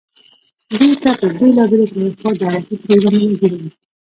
دوي ته په بيلابيلو طريقودعوتي پروګرامونه جوړووي،